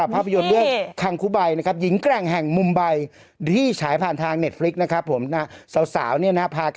แต่แบบชีวิตจริงมันไม่ใช่อย่างนั้นอ่ะ